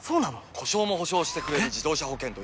故障も補償してくれる自動車保険といえば？